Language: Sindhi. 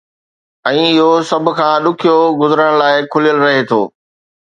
۽ اهو سڀ کان ڏکيو گذرڻ لاءِ کليل رهي ٿو.